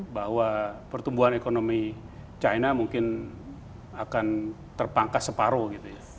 bahwa pertumbuhan ekonomi china mungkin akan terpangkas separuh gitu ya